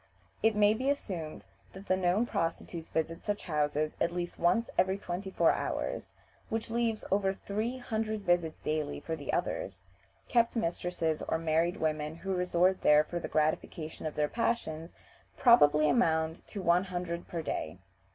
It may be assumed that the known prostitutes visit such houses at least once every twenty four hours, which leaves over three hundred visits daily for the others. Kept mistresses or married women who resort there for the gratification of their passions probably amount to one hundred per day.